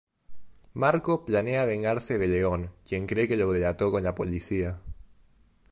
Marco planea vengarse de León, quien cree que lo delató con la policía.